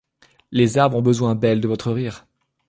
Les arbres ont besoin, belles, de-votre rire ;